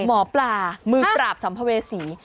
หมอปลามือปราบสัมภเวษี